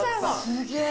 すげえ。